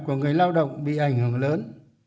nhiều người lao động bị ảnh hưởng lớn